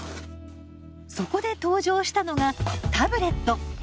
そこで登場したのがタブレット。